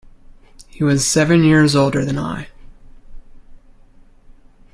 He was seven years older than I.